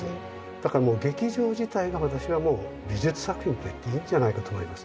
だから劇場自体が私はもう美術作品と言っていいんじゃないかと思います。